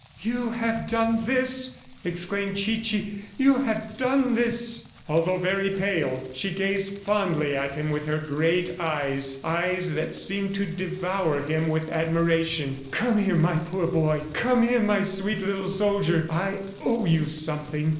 "You have done this!" exclaimed Chichi. "You have done this!" Although very pale, she gazed fondly at him with her great eyes eyes that seemed to devour him with admiration. "Come here, my poor boy. ... Come here, my sweet little soldier! ... I owe you something."